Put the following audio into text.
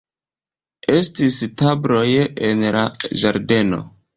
Estis tabloj en la ĝardeno.